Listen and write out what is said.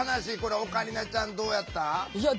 オカリナちゃんどうやった？